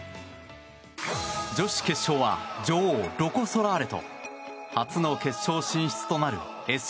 女子決勝は女王、ロコ・ソラーレと初の決勝進出となるＳＣ